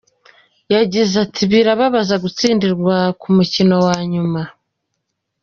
Yagize ati "Birababaza gutsindirwa ku mukino wa nyuma.